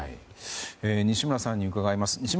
西村さんに伺います。